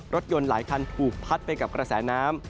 รถยนต์หลายคันถูกพัดไปกับกระแสน้ำ